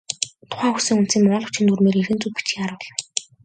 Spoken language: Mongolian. Тухайн үгийн үндсийг монгол бичгийн дүрмээр хэрхэн зөв бичихийг харуулна.